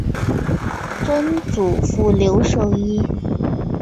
曾祖父刘寿一。